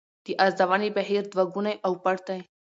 د ارزونې بهیر دوه ګونی او پټ دی.